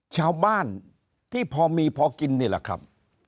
ชาวบ้านที่พอมีพอกินนี่แหละครับ